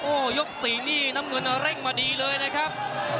โอ้โหยก๔นี่น้ำเงินเร่งมาดีเลยนะครับ